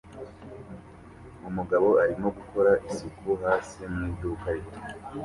Umugabo arimo gukora isuku hasi mu iduka rito